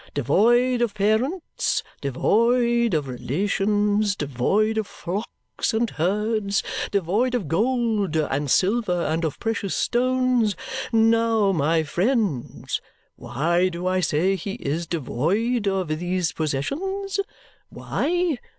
Devoid of parents, devoid of relations, devoid of flocks and herds, devoid of gold and silver and of precious stones. Now, my friends, why do I say he is devoid of these possessions? Why?